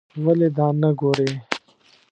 ولې دا نه ګورې.